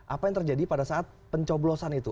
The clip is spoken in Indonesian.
apa yang terjadi pada saat pencoblosan itu